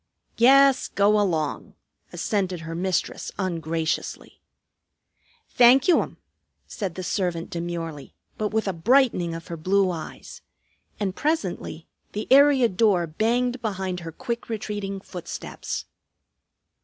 "Yes, go along," assented her mistress ungraciously. "Thank you, 'm," said the servant demurely, but with a brightening of her blue eyes. And presently the area door banged behind her quick retreating footsteps.